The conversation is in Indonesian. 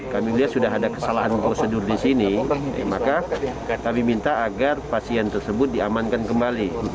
kami lihat sudah ada kesalahan prosedur di sini maka kami minta agar pasien tersebut diamankan kembali